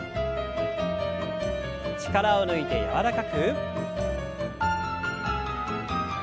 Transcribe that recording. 力を抜いて柔らかく。